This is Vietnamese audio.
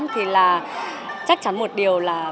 thì là chắc chắn một điều là